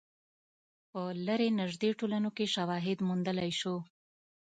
په لرې نژدې ټولنو کې شواهد موندلای شو.